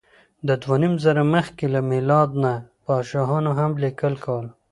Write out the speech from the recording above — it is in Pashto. د دوهنیمزره مخکې له میلاد نه پاچاهانو هم لیکل کول.